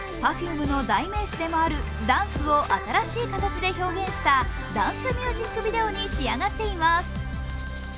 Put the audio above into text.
Ｐｅｒｆｕｍｅの代名詞でもあるダンスを新しい形で表現したダンスミュージックビデオに仕上がっています。